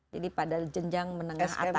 jadi pada jenjang menengah atas